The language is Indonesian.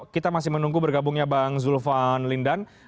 kita masih menunggu bergabungnya bang zulfan lindan